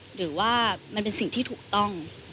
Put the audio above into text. หรือว่ามันเป็นสิ่งที่ถูกต้อง